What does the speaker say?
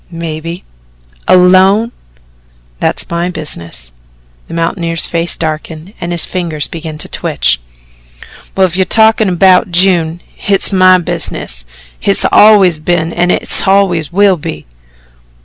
"Maybe." "Alone?" "That's my business." The mountaineer's face darkened and his fingers began to twitch. "Well, if you're talkin' 'bout June, hit's MY business. Hit always has been and hit always will be."